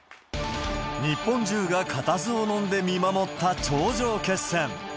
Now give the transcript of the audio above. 日本中が固唾を飲んで見守った頂上決戦。